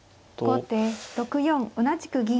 後手６四同じく銀。